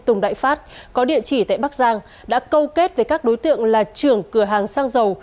tùng đại phát có địa chỉ tại bắc giang đã câu kết với các đối tượng là trưởng cửa hàng xăng dầu